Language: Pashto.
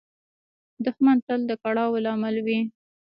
دښمن تل د کړاو لامل وي